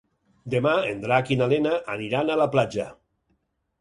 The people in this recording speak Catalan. Demà en Drac i na Lena aniran a la platja.